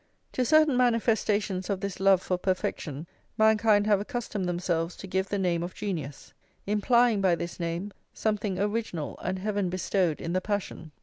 To certain manifestations of this love for perfection mankind have accustomed themselves to give the name of genius; implying, by this name, something original and heaven bestowed in the passion.